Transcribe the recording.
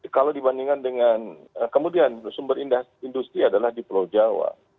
kalau dibandingkan dengan kemudian sumber industri adalah di pulau jawa